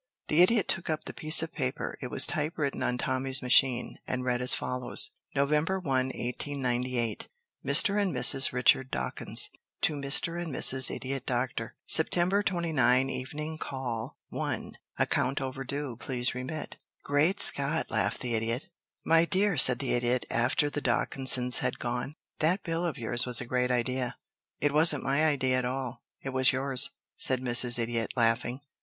The Idiot took up the piece of paper. It was type written on Tommy's machine and read as follows: November 1 1898 MR. AND MRS. RICHARD DAWKINS To Mr. and Mrs. Idiot Dr. September 20 Evening call 1 Account overdue. Please remit. "Great Scott!" laughed the Idiot. "My dear," said the Idiot after the Dawkinses had gone, "that bill of yours was a great idea." "It wasn't my idea at all it was yours," said Mrs. Idiot, laughing.